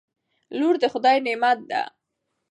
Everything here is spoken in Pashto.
لور دخدای نعمت ده